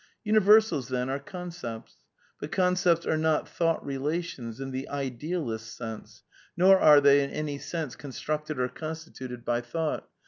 Universalsy then, are concepts; but concepts are not ^ thou^t relatioDS " in the idealist's sense ; nor are they in any sense constmcted or constituted by thou^t.